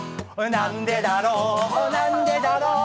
なんでだろう、なんでだろう、